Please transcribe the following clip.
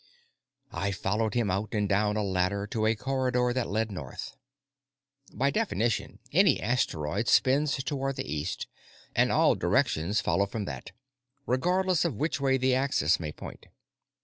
I followed him out and down a ladder to a corridor that led north. By definition, any asteroid spins toward the east, and all directions follow from that, regardless of which way the axis may point.